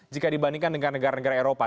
jika dibandingkan dengan negara negara eropa